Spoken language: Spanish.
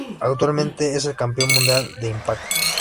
Actualmente es el Campeón Mundial de Impact.